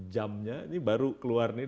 jamnya ini baru keluar nih